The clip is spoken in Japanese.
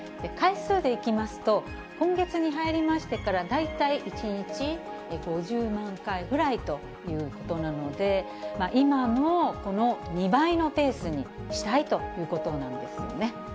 回数でいきますと、今月に入りましてから、大体１日５０万回ぐらいということなので、今のこの２倍のペースにしたいということなんですね。